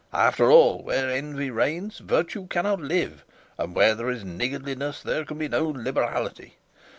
After all, where envy reigns virtue cannot live, and where there is niggardliness there can be no liberality.